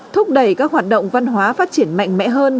thúc đẩy các hoạt động văn hóa phát triển mạnh mẽ hơn